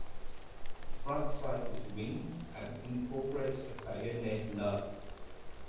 The front sight is winged and incorporates a bayonet lug.